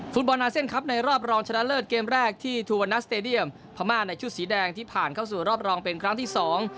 ฟุตบอลอาเซียนครับในรอบรองชนะเลิศเกมแรกที่ทูวันนัสเตดียมพม่าในชุดสีแดงที่ผ่านเข้าสู่รอบรองเป็นครั้งที่สอง